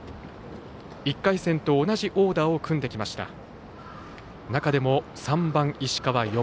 １回戦と同じオーダーを組んできました。